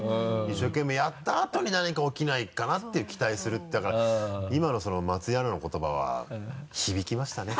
一生懸命やったあとに何か起きないかなって期待するってだから今のその松井アナの言葉は響きましたね。